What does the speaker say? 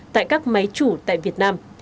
tại các máy chủ tại việt nam